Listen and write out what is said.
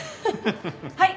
はい。